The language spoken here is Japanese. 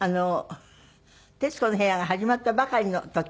『徹子の部屋』が始まったばかりの時